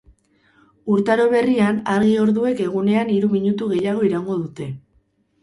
Urtaro berrian, argi orduek egunean hiru minutu gehiago iraungo dute.